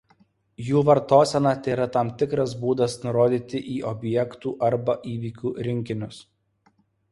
Jų vartosena tėra tam tikras būdas nurodyti į objektų arba įvykių rinkinius.